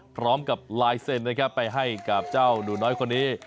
พร้อมกับลายเซ็นนะครับไปให้กับเจ้าหนูน้อยคนนี้